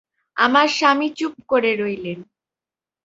আমার স্বামী চুপ করে রইলেন।